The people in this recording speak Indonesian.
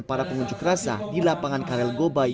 para pengunjuk rasa di lapangan karel gobai